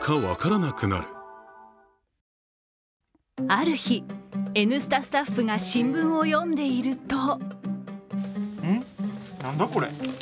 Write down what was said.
ある日、「Ｎスタ」スタッフが新聞を読んでいると何だこれ？